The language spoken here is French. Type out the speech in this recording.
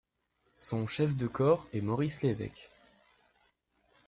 Son chef de corps est Maurice Levêque.